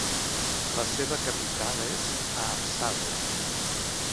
La seva capital és Haapsalu.